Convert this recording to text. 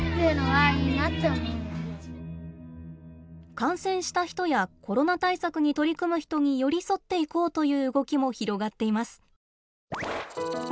感染した人やコロナ対策に取り組む人に寄り添っていこうという動きも広がっています。